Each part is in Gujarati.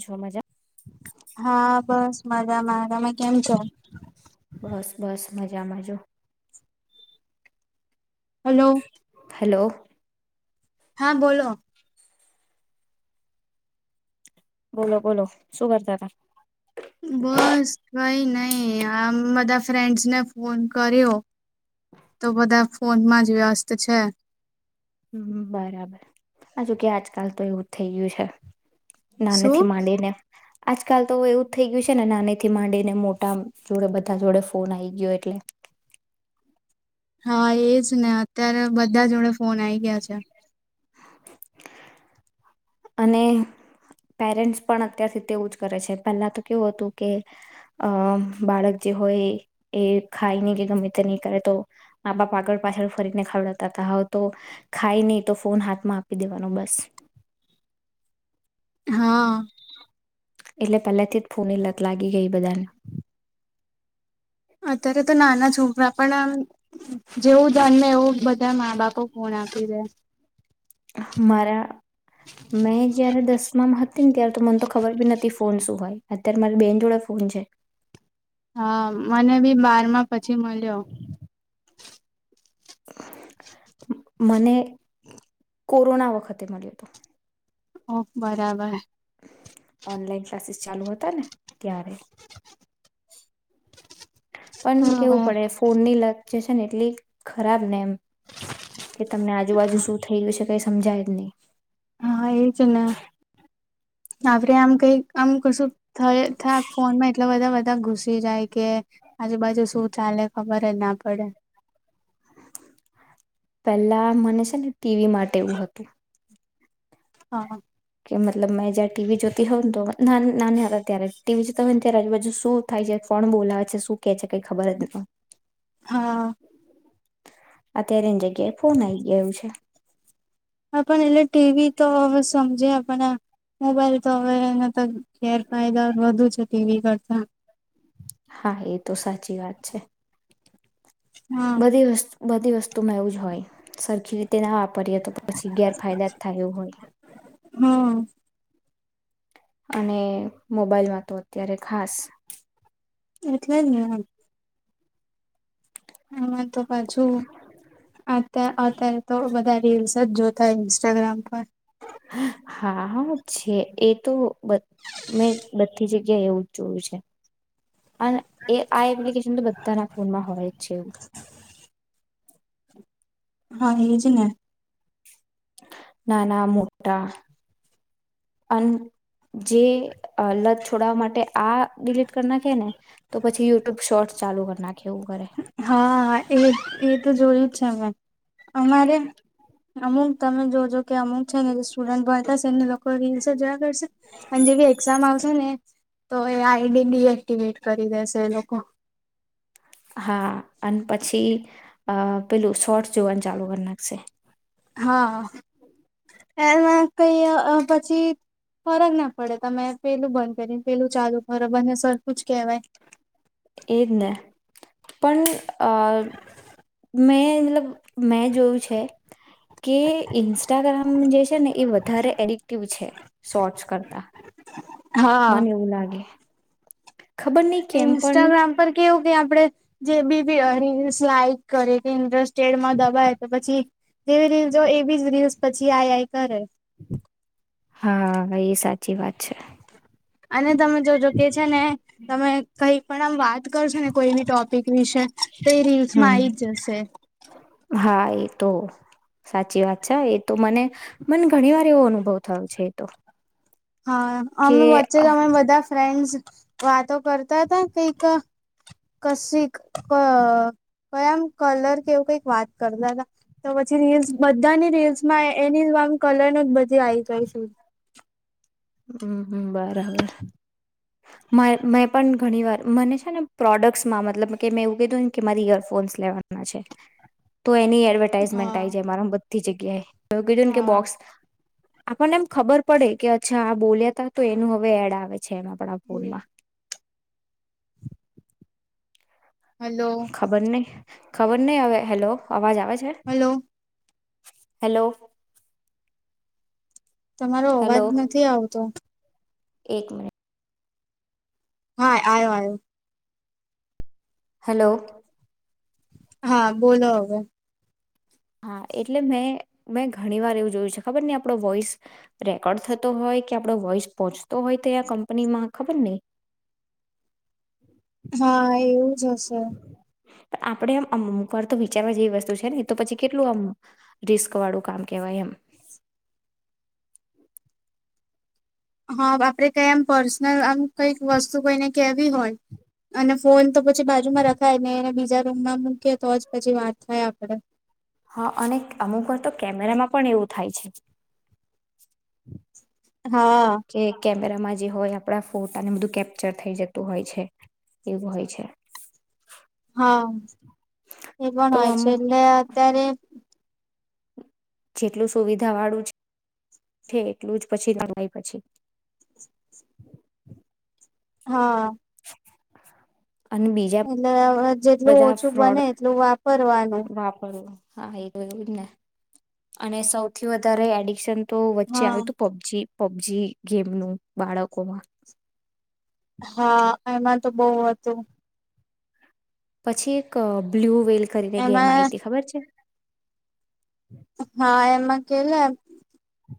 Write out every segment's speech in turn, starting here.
છર મજા હા બસ મજા મારામાં કેમ છે? બસ બસ મજામાંજો હલો હેલો હા બોલો બોલો બોલો શું કરતા કર બસ કઈ નહી, આમા ફ્રેન્ડસને ફોન કર્યો તો બધા ફોનમાં જ વ્યસ્ત છે, હમ બરાબર હજુ કે આજકાલ તો એવું થઈ ગયું છે, ના શું નથી માંડી ને. આજકાલ તો એવું જ થઈ ગયું છે ને નાની થી માંડીને મોટા જોડે બધા જોડે ફોન આવી ગયો એટલે. હા એજ ને. ત્યારે બધા જોડે ફોન આઈ ગયા છે. [inaudible] અને પેરેન્ટ્સ પણ અત્યારથી તેવું જ કરે છે, પહેલા તો કેવું હતું કે અ બાળક જે હોય એ ખાય નહી કે ગમે તે નહી કરે તો મા બાપ આગળ પાછળ ફરીને ખવડતા ત હો તો ખાય નહી તો ફોન હાથમાં આપી દેવાનો બસ. હા. એટલે પહેલેથી જ ફૂની લક લાગી ગઈ બધાને. અત્યારે તો નાના છોકરા પણ જેવું જન્મે એવું બધા મા બાપો ફોન આપી દે. મારા મેં જયારે દસમામાં હતી ને ત્યારે તો મને તો ખબર બી નથી ફોન શું હોય અત્યારે મારે બેન જોડાે ફોન છે. હા મને બી બારમાં પછી મળ્યો. [inaudible] મને કોરોના વખતે મળ્યું હતો. ઓ બરાબર. ઓનલાઈન ક્લાસીસ ચાલુ હતા ને ત્યારે. તો પણ હવે કેવું પડે ફોન ની લત છે ને એટલી ખરાબ ને એમ. કે તમને આજુબાજુ શું થઈ ગયું છે. કઈ સમજાય જ નહી. હા એજના. આપે આમ કઈ આમ કશું થય થ ફોનમાં એટલા બધા બધા ઘુસી જાય કે આજુબાજુ શું ચાલે ખબર જ ના પડે. પેલા મને છે ને ટીવી માટે એવું હતું. હા. કે મતલબ મેં જયારે ટીવી જોતી હોય ને નાના હતા ત્યારે ટીવી જોતા હોય ને ત્યારે આજુ બાજુ શું થાય છે કોણ બોલાવે છે શું કે છે કઈ ખબર જ નથી. હા અત્યારેની જગ્યાએ ફોન આઈ ગું છે. હ પણ એટલે ટીવી તો હવે સમજે આપ મોબાઈલ તો હવે એના તો ગેરફાયદા વધુ છે ટીવી કરતા. હા એ તો સાચી વાત છે. હા બધી વસ્તુ. બધી વસ્તુમાં એું જ હોય સરખી રીતે ના. એ તો પછી ગેરફાયદા થું હોય. હા અને મોબાઈલમાં તો અત્યારે ખાસ. એટલે જ ને એમ. હમાં તો પાછુ અત અત્યારે તો બધા રીલસ જ જોતા ઇસ્ટાગ્રામ પર. હા છે એ તો. બ મેં બતી જ. એવું જ જોયું છે અને એ આ એપ્લિકેશન તો બધાના ફોનમાં હોય જ છે એવું. હા એજ ને. નાના મોટા અને જે લત છોડવા માટે આ ડિલીટ કરી નાખે ને તો પછી યુટ્યુબ શોર્ટ ચાલુ કરી નાખે એવું કરે. હા હા એ એ તો જોયું જ છે મેમે અમારે અમુક તમે જોજો કે અમુક છે ને જે સ્ટુડન્ટય હતા એને કોજવા કરશે અને જેવી એક્ઝામ આવશે ને. તો એ આઈડી ડીએક્ટિવેટ કરી દેશે એ લોકો. હા અને પછી અ પેલું શોર્ટ જોવાનું ચાલુ કરી નાખશે. હા એમાં કઈ પછી ફરક ના પડે તમે પેલું બંધ કરીને પેલું ચાલુ ખરબ અને સરખું જ કેહેવાય. એજ ને પણ અ મેં મતલબ મેં જોયું છે કે ઇન્સ્ટાગ્રામ જે છે ને એ વધારે એડિક્ટિવ છે શોર્ટ્સ કરતા. [inaudible] મને એવું લાગે. ખબર નહ કેમ પણ ઇન્સ્ટાગ્રામ પર કેવું કે આપડે. જે બી બી રસ લઇક કરે કે ઇન્ટરેસ્ટ ચેડમાં દબાય તો પછી. જેવી રીલ જો એવી જ રીલ્સ પછી આઈઆઈ કરે. હા એ સાચી વાત છે. અને. તમે જો જો કે છે ને તમે કઈ પણ આમ વાત કરશો ને કોઈ બ ટોપિક વિશે તો એ રીલ્સમાં હમ આવી જ જશે. હા એ તો સાચી વાત છે એતો મને મને ઘણી વાર એવો અનુભવ થયો છે એતો. હા અમે વચ્ચે અમે બધા ફ્રેન્ડ્સ વાતો કરતા હતા કઈક કશી ક કયામ કલર કેવું કઈક વાત કરતા હતા તો પછી રીલ્સ બધાની રીલ્સમાં એની આમ કલર ન જ બધી આવી ગય હમ્મ બરાબર મેં પણ ઘણી વાર મને છે ને પ્રોડક્ટસમાં મતલબ કે મેં એવું કીધું કે મારી ઈયરફોન્સ લેવાના છે. તો એની એડવર્ટાાઈઝમેન્ટ હા આવી જાય મારામા - બધી જગ્યાએ. હવે કઈ દઉં ને કે હા બોક્સ આપણને એમ ખબર પડે કે અચ્છા આ બોલ્યા ત તો એનું હવે એડ આવે. છે એમ આપણા ફોનમાં. હલો ખબર નહી. ખબર નહી આવે હેલો અવાજ આવે. છે. Hello hello. તમારો અવાજ હેલો નથી આવતો. એક મિનિટ. હા આયો આ્યો. હેલો. હા બોલો હવે હા એટલે મેં મેં ઘણી વાર એવું જોયું છે ખબર નહી આપણો વોઈસ રેકોર્ડ થતો હોય કે આપણો વોઈસ પહોંચતો હોય ત કંપનીમાં ખબર નઈ. હા એવું. હશે પણ આપણે એમ અમુક વાર તો વિચારવા જેવી વસ્તુ છે ને તો પછી કેટલું આમ રિસ્ક વાળું કામ કેહેવાય એમ હા આપડે કેમ પર્સનલ આમ કઈક વસ્તુ કઈને કેવી હોય અને ફોન તો બાજુમાં રખાય ને બીજા રૂમ માં મૂકીએ તો જ પછી વાત થાય આપડે હા અને અમુક વાર તો કેમેરામાં પણ એવું થાય છે હા કે કેમેરામાં જે હોય આપણા ફોટાને બધું કેપ્ચર થઈ જતું હોય છે એવું હોય છે હા એ પણ તો હોય છે અમુક એટલે અત્યારે જેટલું સુવિધા વાળું છે એટલું જ પછી [unintelligible] હા અને બીજા એટલે જેટલું બધા ઓછું બને ફ્રોડ એટલું વાપરવાનું. વાપરવું હા, એવુંજ ને અને સૌથી વધારે એડિકસન તો વચ્ચે હા આવ્યું તું પબજી પબજી ગેમનું બાળકોમાં હા એમાં તો બો હતું. પછી એક બ્લ્યુ વેલ કરીને ગેમ એમાં આઈતી ખબર છે? હા એમાં કે લ,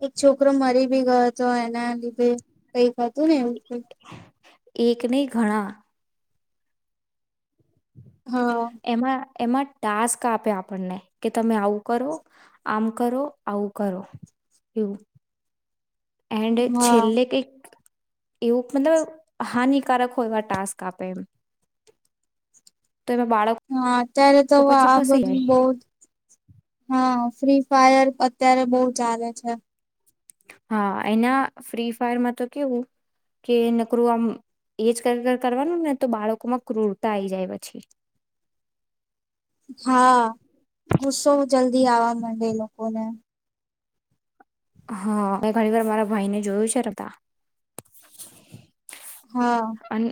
એક છોકરો મરી ભી ગયો હતો એના લીધે. કઈ હતું ને એવું. એક નહીં ઘણા. હા. એમાં એમાં ટાસ્ક આપે આપણને, કે તમે આવું કરો આમ કરો આવું કરો એવું. એન્ડ હા છેલ્લે કઈક એવું મતલબ હાનિકારક હોય એવા ટાસ્ક આપે એમ. તો એમાં બાળકો હા અત્યારે તો પછી આ ફસાઈ બધું જાય બો જ હા. ફ્રી ફાયર અત્યારે બો ચાલે છે. હા એના ફ્રી ફાયર માં તો કેવું, કે નકરું આમ એજ કરવાનું ને તો બાળકોમાં ક્રૂરતા આઈ જાય પછી. હા, હું સૌ જલ્દી આવવા માંડે એલોકોને. હા મે ઘણી વાર મારા ભાઈ ને જોયું છે રમતા. હા, અને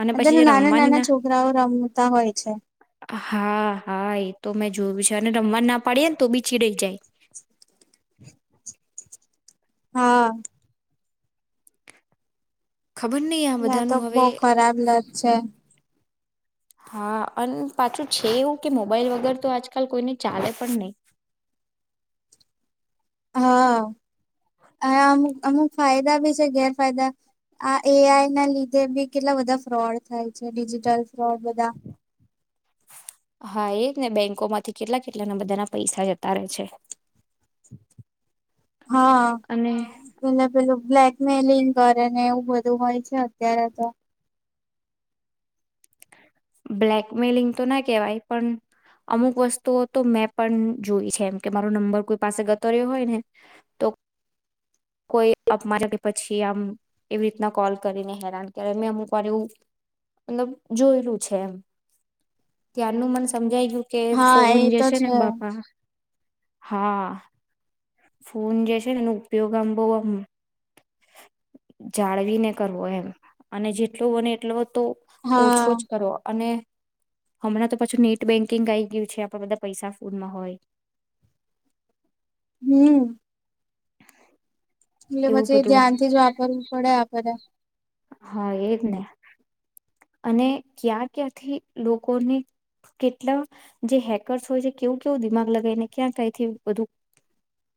અને પછી અતના જે નાના રમવાની નાના છોકરાઓ રમતા હોય છે. ના હા હા એ તો મેં જોયું છે અને રમવા ના પાડીએ ને તો બીછીડાઈ જાય. [inaudible] [inaudible] હા. ખબર નહી આ ના તો બધાનું બવ હવે ખરાબ લત છે. હા અને પાછું છે એવું કે મોબાઈલ વગર તો આજકાલ કોઈને ચાલે પણ નહી. હા, અમુક અમુક ફાયદા બી છે ગેરફાયદા, આ એ આઈ ના લીધે બી કેટલા બધા ફ્રોડ થાય છે, ડિજિટલ બો બધા. હા એજ ને બેંકો માંથી કેટલા કેટલાના બધાના પૈસા જતા રહે છે. હા, અને એને પેલું બ્લેકમેલિંગ કરે ને એવું બધું હોય છે અત્યારે તો. બ્લેકમેલિંગ તો ના કેહેવાય પણ, અમુક વસ્તુઓ તો મેં પણ જોઈ છે એમ કે મારો નંબર કોઈ પાસે ગતોર્યો હોય ને, તો કોઈ અપમારે કે પછી આમ એવી રીતના કોલ કરીને હેરાન કર મેં અમુક વાર એવું, મતલબ જોયેલું છે એમ, ત્યાારનું મન સમજાય ગય યુ કે હા ફોન એ જે તો છે ને બાપા હા. ફોન જે છે ને એનો ઉપયોગ આમ બહ આમ જાળવીને કરવો એમ અને જેટલો બને એટલો તો ઓછો હા જ કરો અને હમણાં તો પાછું નેટ બેન્કિંગ આઈ ગયું છે. આપણા બધા પૈસા ફૂનમાં હોય હમ્મ. એટલે એવું પછી એ બધું ધ્યાનથી જ વાપરવું પડે આપડે હા એજ ને. અને ક્યાં ક્યાંથી લોકોને કેટલા જે હેકરસ હોયે કેવું કેવું દિમાગ લગાવી ને ક્યાં કઈ થી બધું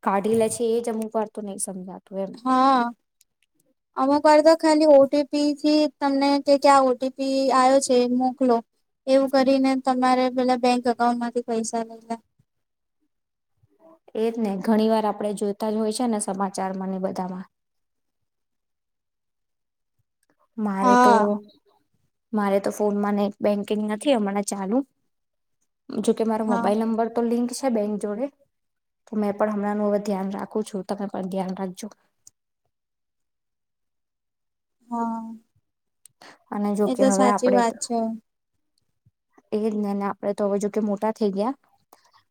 કાઢી લે છે એજ અમુક વાર નહીં સમજાતું એમ હા અમુક વાર તો ખાલી ઓ ટી પી થી તમને કે કે આ ઓ ટી પી આવ્યો છે મોકલો. એવું કરીને તમારે પેલા બેંક અકાઉન્ટ માંથી પૈસા લઈ લે એજ ને ઘણી વાર આપણેે જોતા જ હોય છે ને સમાચારમાંને એ બધામાં મારે તો હા મારે તો ફોનમાં નેટ બેન્કિંગ નથી હમણાં ચાલુ જોકે મારો હા મોબાઈલ નંબર તો લિંક છે. બેંક જોડે તો મેં પણ હમણાં નું હવે ધ્યાન રાખું છું તમે પણ ધ્યાન રાખજો હા. અને જોકે એતો હવે સાચી વાત આપણેે છે. એ જ ને આપણે તો હવે જોકે મોટા થઈ ગયા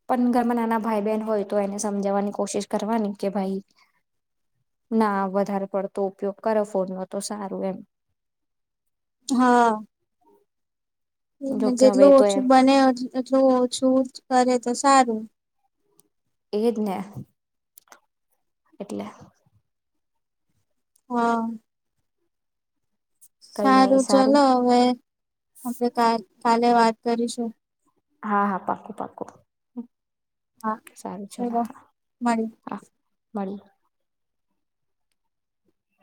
પણ ઘરમાં નાના ભાઈ બહેન હોય તો એને સમજાવવાની કોશિશ કરવાની કે ભાઈ ના વધારે પડતો ઉપયોગ કરો ફોન નો તો સારું એમ. હા. જોકે હવે જેટલું તો ઓછું એમ બને એટલું યુઝ કરે તો સારું. એજ ને એટલે હા. કઈ નહી સારું ચલો હવે આપડે કા કાલ લે વાત કરીશું હા હા પાકું પાકું હા સારું ચાલો મળે મળીયે